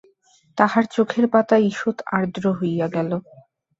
তাঁহার চোখের পাতা ঈষৎ আর্দ্র হইয়া গেল।